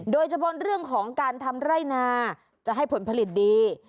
โดยเฉพาะเรื่องของการทำไร่นาจะให้ผลผลิตดี